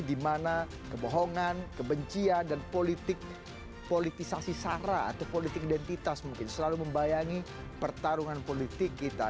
dimana kebohongan kebencian dan politik politisasi sara atau politik identitas mungkin selalu membayangi pertarungan politik kita